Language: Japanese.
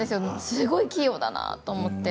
すごい器用だなと思って。